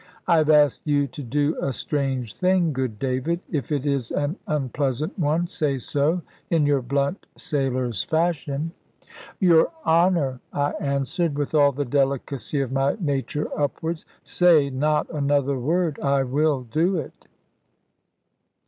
"I have asked you to do a strange thing, good David; if it is an unpleasant one, say so in your blunt sailor's fashion." "Your honour," I answered, with all the delicacy of my nature upwards; "say not another word. I will do it."